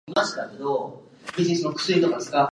君